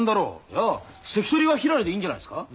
いや関取はひらりでいいんじゃないですか？